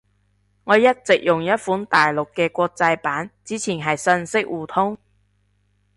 我一直用一款大陸嘅國際版。之前係信息互通